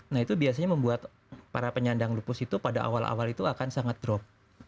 nah itu biasanya membuat para penyandang lupus itu pada awal awal itu akan sangat drop